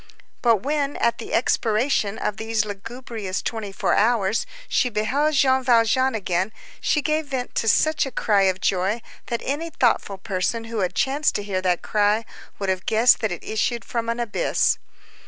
But when, at the expiration of these lugubrious twenty four hours, she beheld Jean Valjean again, she gave vent to such a cry of joy, that any thoughtful person who had chanced to hear that cry, would have guessed that it issued from an abyss.